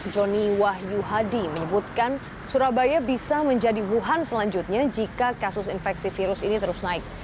joni wahyu hadi menyebutkan surabaya bisa menjadi wuhan selanjutnya jika kasus infeksi virus ini terus naik